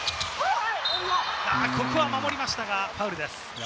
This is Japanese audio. ここは守りましたがファウルです。